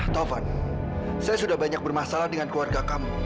taufan saya sudah banyak bermasalah dengan keluarga kamu